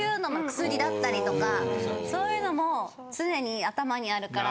薬だったりとかそういうのも常に頭にあるから。